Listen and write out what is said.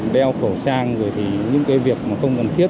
đeo khẩu trang rồi thì những cái việc mà không cần thiết